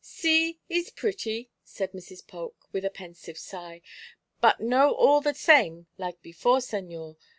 "Si, is pretty," said Mrs. Polk, with a pensive sigh. "But no all the same like before, señor.